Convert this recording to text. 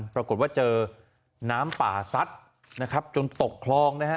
ปรากฏว่าเจอน้ำป่าซัดนะครับจนตกคลองนะฮะ